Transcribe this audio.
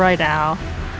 aku akan lihat